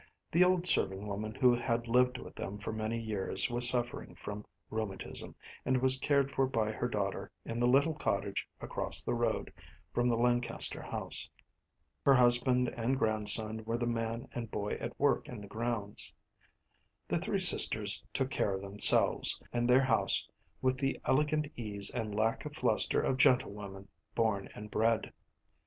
The old serving woman who had lived with them for many years was suffering from rheumatism, and was cared for by her daughter in the little cottage across the road from the Lancaster house. Her husband and grandson were the man and boy at work in the grounds. The three sisters took care of themselves and their house with the elegant ease and lack of fluster of gentlewomen born and bred.